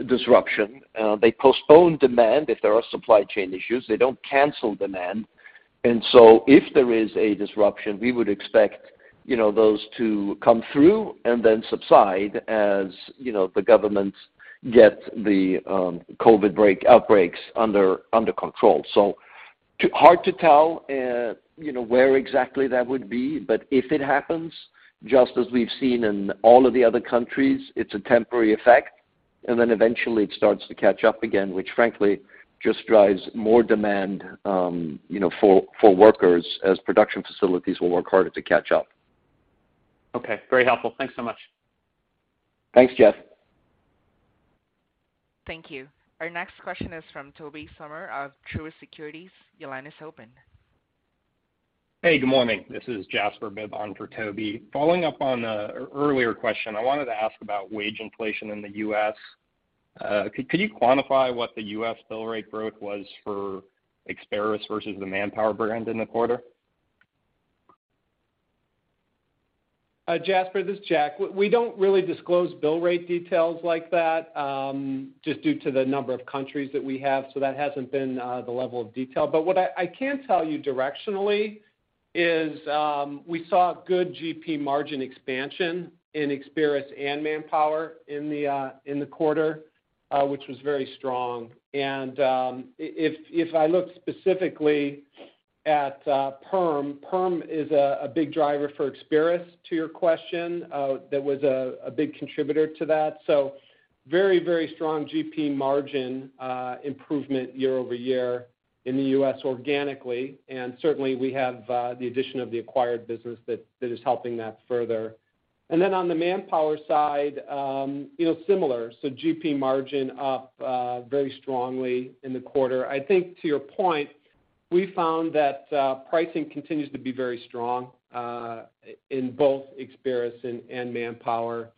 disruption. They postpone demand if there are supply chain issues, they don't cancel demand. If there is a disruption, we would expect those to come through and then subside as the governments get the COVID outbreaks under control. Hard to tell where exactly that would be. If it happens, just as we've seen in all of the other countries, it's a temporary effect, and then eventually it starts to catch up again, which frankly just drives more demand, you know, for workers as production facilities will work harder to catch up. Okay. Very helpful. Thanks so much. Thanks, Jeff. Thank you. Our next question is from Tobey Sommer of Truist Securities. Your line is open. Hey, good morning. This is Jasper Bibb on for Toby. Following up on an earlier question, I wanted to ask about wage inflation in the U.S. Could you quantify what the U.S. bill rate growth was for Experis versus the Manpower brand in the quarter? Jasper, this is Jack. We don't really disclose bill rate details like that, just due to the number of countries that we have, so that hasn't been the level of detail. What I can tell you directionally is, we saw good GP margin expansion in Experis and Manpower in the quarter, which was very strong. If I look specifically at Perm is a big driver for Experis to your question, that was a big contributor to that. Very strong GP margin improvement year-over-year in the U.S. organically. Certainly we have the addition of the acquired business that is helping that further. On the Manpower side, you know, similar, so GP margin up very strongly in the quarter. I think to your point, we found that pricing continues to be very strong in both Experis and Manpower.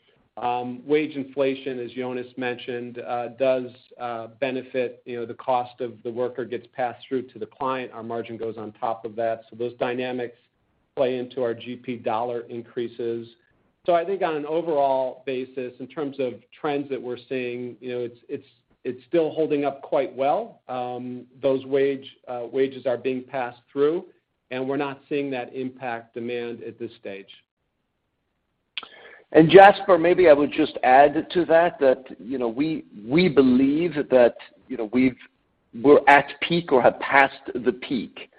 Wage inflation, as Jonas mentioned, does benefit, you know, the cost of the worker gets passed through to the client. Our margin goes on top of that. Those dynamics play into our GP dollar increases. I think on an overall basis, in terms of trends that we're seeing, you know, it's still holding up quite well. Those wages are being passed through, and we're not seeing that impact demand at this stage. Jasper, maybe I would just add to that you know, we believe that you know, we're at peak or have passed the peak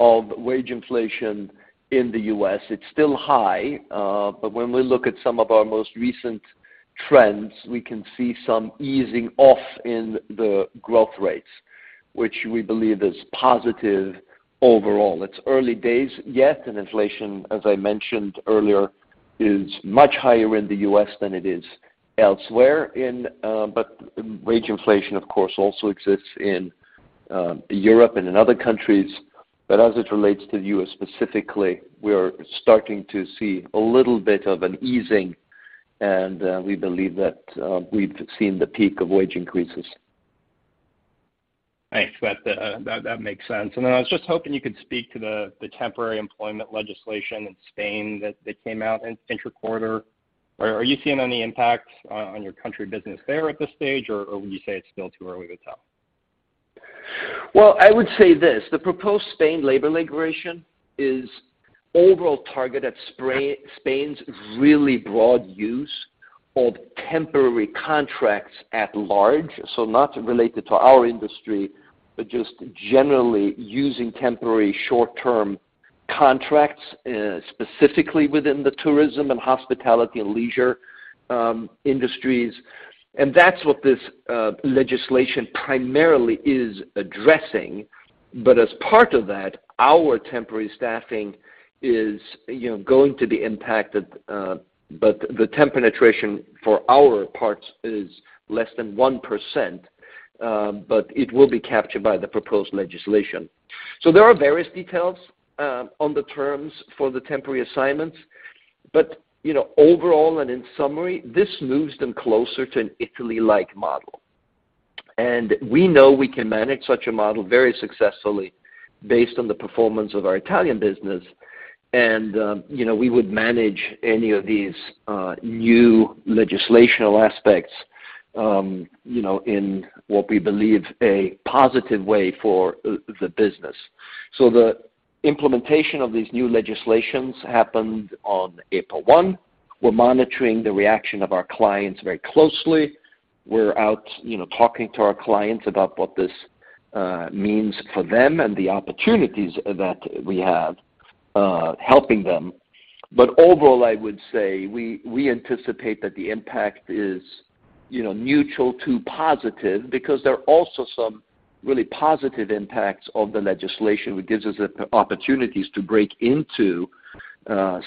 of wage inflation in the U.S. It's still high, but when we look at some of our most recent trends, we can see some easing off in the growth rates, which we believe is positive overall. It's early days yet, and inflation, as I mentioned earlier, is much higher in the U.S. than it is elsewhere, but wage inflation, of course, also exists in Europe and in other countries. As it relates to the U.S. specifically, we are starting to see a little bit of an easing. We believe that we've seen the peak of wage increases. Thanks for that. That makes sense. I was just hoping you could speak to the temporary employment legislation in Spain that came out in the quarter. Are you seeing any impact on your in-country business there at this stage, or would you say it's still too early to tell? Well, I would say this. The proposed Spain labor legislation is overall targeted Spain's really broad use of temporary contracts at large. Not related to our industry, but just generally using temporary short-term contracts, specifically within the tourism and hospitality and leisure industries. That's what this legislation primarily is addressing. As part of that, our temporary staffing is, you know, going to be impacted, but the temp penetration for our parts is less than 1%. It will be captured by the proposed legislation. There are various details on the terms for the temporary assignments. You know, overall and in summary, this moves them closer to an Italy-like model. We know we can manage such a model very successfully based on the performance of our Italian business. We would manage any of these new legislative aspects in what we believe a positive way for the business. The implementation of these new legislation happened on April 1. We're monitoring the reaction of our clients very closely. We're out you know talking to our clients about what this means for them and the opportunities that we have helping them. Overall, I would say we anticipate that the impact is you know neutral to positive because there are also some really positive impacts of the legislation, which gives us the opportunities to break into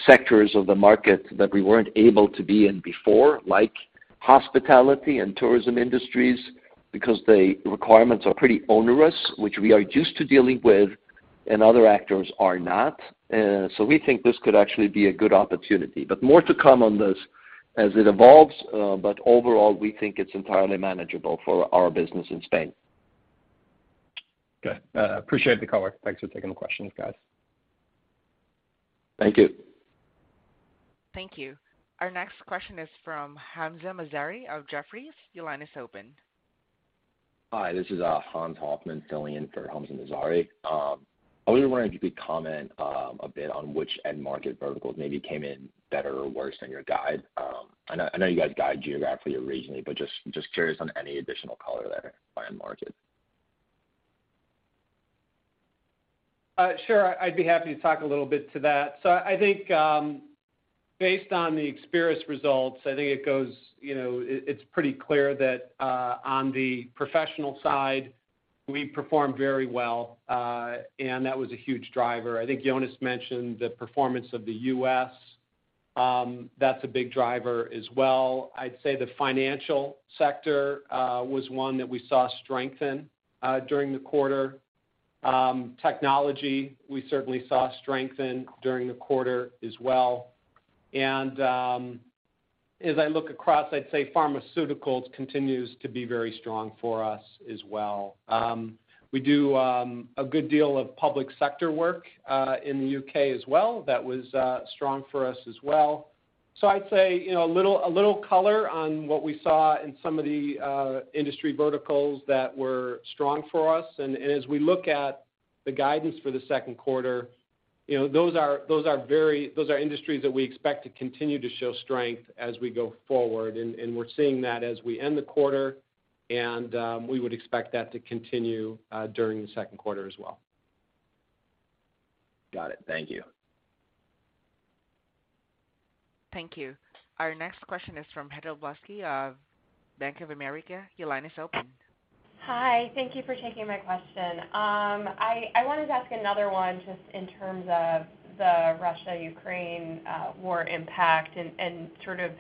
sectors of the market that we weren't able to be in before, like hospitality and tourism industries, because the requirements are pretty onerous, which we are used to dealing with and other actors are not. We think this could actually be a good opportunity. More to come on this as it evolves, but overall, we think it's entirely manageable for our business in Spain. Okay. Appreciate the color. Thanks for taking the questions, guys. Thank you. Thank you. Our next question is from Hamzah Mazari of Jefferies. Your line is open. Hi, this is Hans Hoffman filling in for Hamzah Mazari. I was wondering if you could comment a bit on which end market verticals maybe came in better or worse than your guide. I know you guys guide geographically or regionally, but just curious on any additional color there by end market. Sure. I'd be happy to talk a little bit to that. I think, based on the Experis results, it's pretty clear that, on the professional side, we performed very well, and that was a huge driver. I think Jonas mentioned the performance of the U.S. That's a big driver as well. I'd say the financial sector was one that we saw strengthen during the quarter. Technology, we certainly saw strengthen during the quarter as well. As I look across, I'd say pharmaceuticals continues to be very strong for us as well. We do a good deal of public sector work in the U.K. as well. That was strong for us as well. I'd say, you know, a little color on what we saw in some of the industry verticals that were strong for us. As we look at the guidance for the second quarter, you know, those are industries that we expect to continue to show strength as we go forward. We're seeing that as we end the quarter, and we would expect that to continue during the second quarter as well. Got it. Thank you. Thank you. Our next question is from Heather Balsky of Bank of America. Your line is open. Hi. Thank you for taking my question. I wanted to ask another one just in terms of the Russia-Ukraine war impact and sort of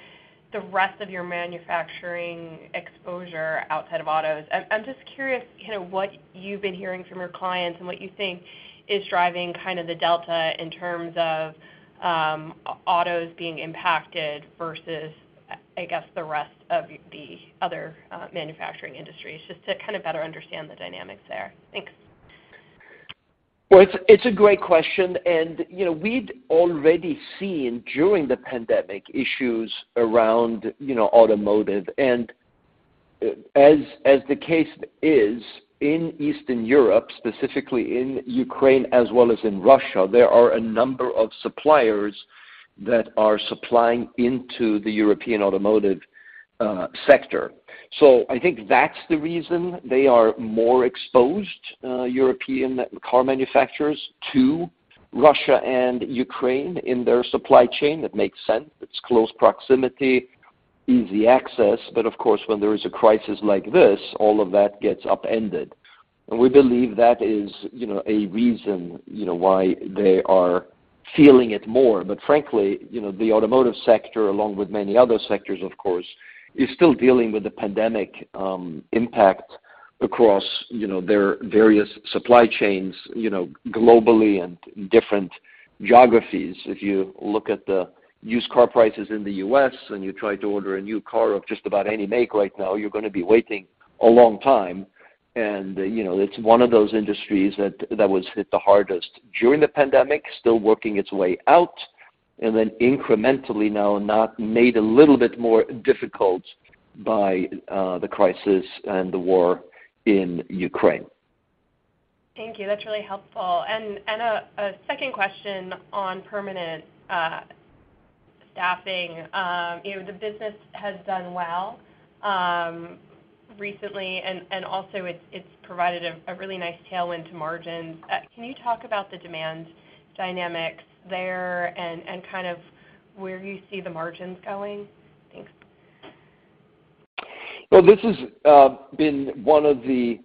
the rest of your manufacturing exposure outside of autos. I'm just curious, kind of what you've been hearing from your clients and what you think is driving kind of the delta in terms of autos being impacted versus, I guess, the rest of the other manufacturing industries, just to kind of better understand the dynamics there. Thanks. Well, it's a great question. You know, we'd already seen during the pandemic issues around, you know, automotive. As the case is in Eastern Europe, specifically in Ukraine as well as in Russia, there are a number of suppliers that are supplying into the European automotive sector. I think that's the reason they are more exposed European car manufacturers to Russia and Ukraine in their supply chain. That makes sense. It's close proximity, easy access. Of course, when there is a crisis like this, all of that gets upended. We believe that is, you know, a reason, you know, why they are feeling it more. Frankly, you know, the automotive sector, along with many other sectors, of course, is still dealing with the pandemic impact across, you know, their various supply chains, you know, globally and different geographies. If you look at the used car prices in the U.S., and you try to order a new car of just about any make right now, you're going to be waiting a long time. You know, it's one of those industries that was hit the hardest during the pandemic, still working its way out, and then incrementally now made a little bit more difficult by the crisis and the war in Ukraine. Thank you. That's really helpful. A second question on permanent staffing. You know, the business has done well recently, and also it's provided a really nice tailwind to margins. Can you talk about the demand dynamics there and kind of where you see the margins going? Thanks. Well, this has been one of the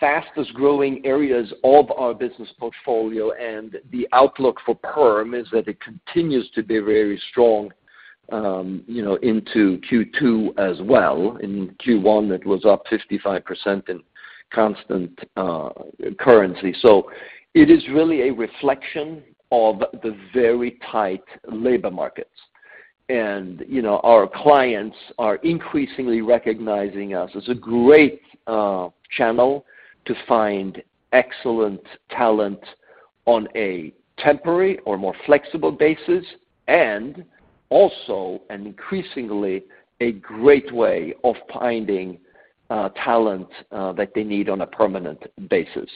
fastest growing areas of our business portfolio, and the outlook for perm is that it continues to be very strong, you know, into Q2 as well. In Q1, it was up 55% in constant currency. It is really a reflection of the very tight labor markets. Our clients are increasingly recognizing us as a great channel to find excellent talent on a temporary or more flexible basis, and also an increasingly great way of finding talent that they need on a permanent basis.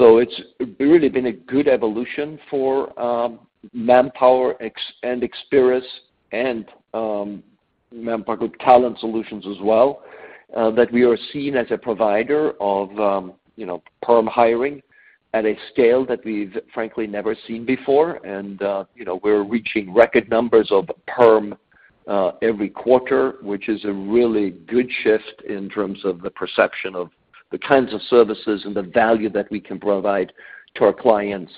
It's really been a good evolution for Manpower and Experis and ManpowerGroup Talent Solutions as well that we are seen as a provider of, you know, perm hiring at a scale that we've frankly never seen before. We're reaching record numbers of perm every quarter, which is a really good shift in terms of the perception of the kinds of services and the value that we can provide to our clients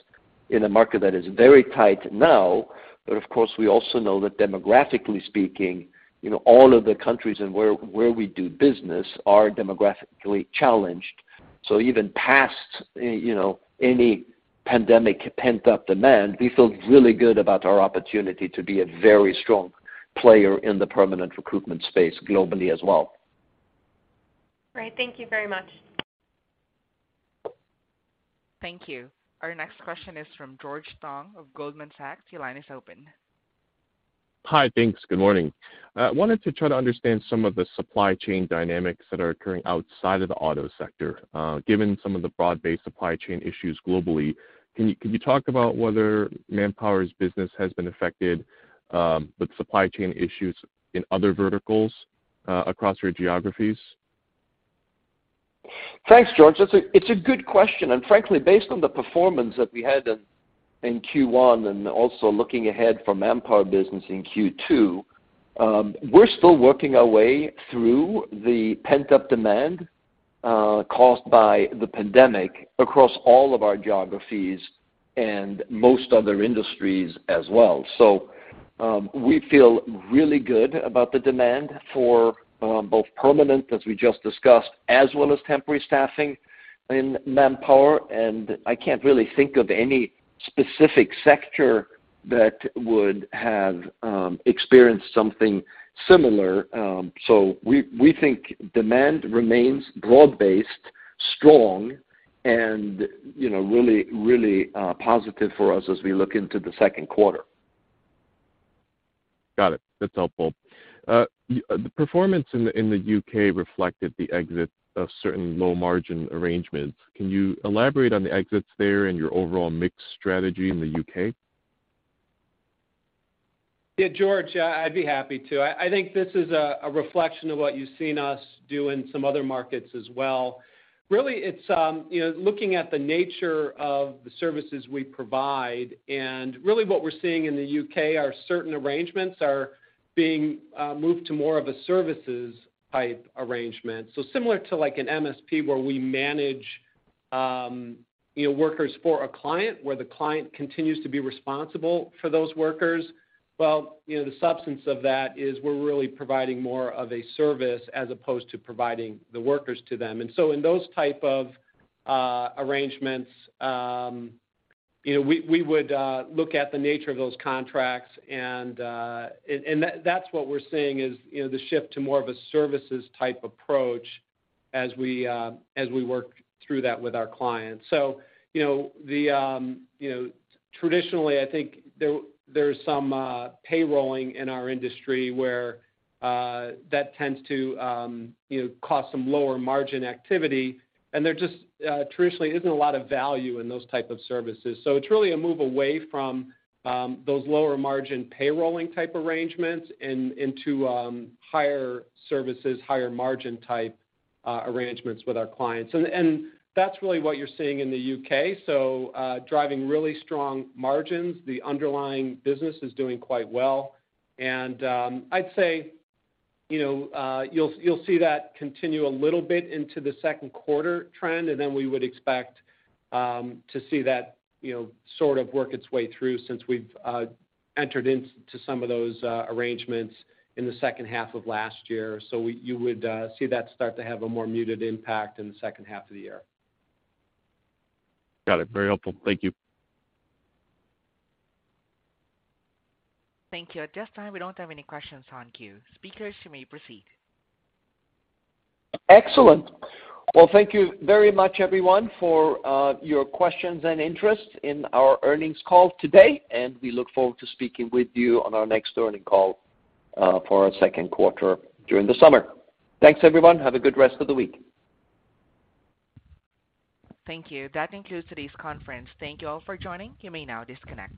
in a market that is very tight now. Of course, we also know that demographically speaking, you know, all of the countries and where we do business are demographically challenged. Even past any pandemic pent-up demand, we feel really good about our opportunity to be a very strong player in the permanent recruitment space globally as well. Great. Thank you very much. Thank you. Our next question is from George Tong of Goldman Sachs. Your line is open. Hi. Thanks. Good morning. I wanted to try to understand some of the supply chain dynamics that are occurring outside of the auto sector. Given some of the broad-based supply chain issues globally, can you talk about whether Manpower's business has been affected with supply chain issues in other verticals across your geographies? Thanks, George. It's a good question. Frankly, based on the performance that we had in Q1 and also looking ahead for Manpower business in Q2, we're still working our way through the pent-up demand caused by the pandemic across all of our geographies and most other industries as well. We feel really good about the demand for both permanent, as we just discussed, as well as temporary staffing in Manpower. I can't really think of any specific sector that would have experienced something similar. We think demand remains broad-based, strong, and really positive for us as we look into the second quarter. Got it. That's helpful. The performance in the U.K. reflected the exit of certain low-margin arrangements. Can you elaborate on the exits there and your overall mix strategy in the U.K.? Yeah, George, I'd be happy to. I think this is a reflection of what you've seen us do in some other markets as well. Really, it's you know, looking at the nature of the services we provide, and really what we're seeing in the U.K. are certain arrangements being moved to more of a services type arrangement. Similar to like an MSP where we manage you know, workers for a client, where the client continues to be responsible for those workers. Well, you know, the substance of that is we're really providing more of a service as opposed to providing the workers to them. In those type of arrangements, we would look at the nature of those contracts and that's what we're seeing is, you know, the shift to more of a services type approach as we work through that with our clients. You know, traditionally, I think there's some payrolling in our industry where that tends to cause some lower margin activity. There just traditionally isn't a lot of value in those type of services. It's really a move away from those lower margin payrolling type arrangements into higher services, higher margin type arrangements with our clients. That's really what you're seeing in the U.K. Driving really strong margins. The underlying business is doing quite well. I'd say, you know, you'll see that continue a little bit into the second quarter trend, and then we would expect to see that, you know, sort of work its way through since we've entered into some of those arrangements in the second half of last year. You would see that start to have a more muted impact in the second half of the year. Got it. Very helpful. Thank you. Thank you. At this time, we don't have any questions on queue. Speakers, you may proceed. Excellent. Well, thank you very much everyone, for your questions and interest in our earnings call today, and we look forward to speaking with you on our next earnings call for our second quarter during the summer. Thanks, everyone. Have a good rest of the week. Thank you. That concludes today's conference. Thank you all for joining. You may now disconnect.